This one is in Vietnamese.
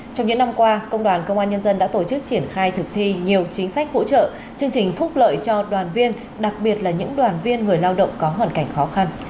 trong những năm qua công đoàn công an nhân dân đã tổ chức triển khai thực thi nhiều chính sách hỗ trợ chương trình phúc lợi cho đoàn viên đặc biệt là những đoàn viên người lao động có hoàn cảnh khó khăn